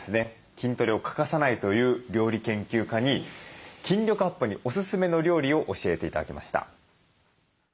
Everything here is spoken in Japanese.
筋トレを欠かさないという料理研究家に筋力アップにおすすめの料理を教えて頂きました。